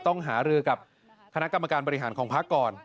ต้องหารือกับคณะกรรมการบริหารของพักก่อน